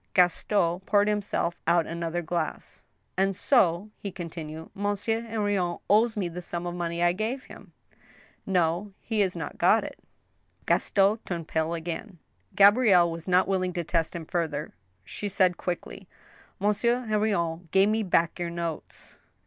Gaston poured himself out another glass. " And so," he continued, " Monsieur Henrion owes me the sum of money I gave him ?"" No — he has not got it." THE TWO WIVES. 12/ Gaston turned pale again. Gabrielle was not willing to test him further ; she said quickly :" Monsieur Henrion gave me back your notes."